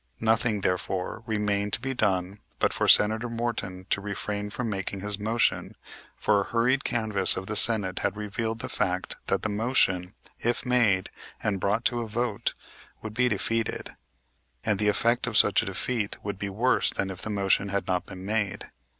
Nothing, therefore, remained to be done but for Senator Morton to refrain from making his motion; for a hurried canvass of the Senate had revealed the fact that the motion, if made and brought to a vote, would be defeated, and the effect of such a defeat would be worse than if the motion had not been made.